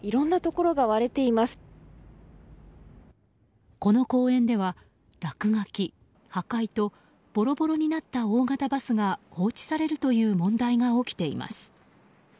この公園では落書き、破壊とぼろぼろになった大型バスが放置されるという問題が起きています。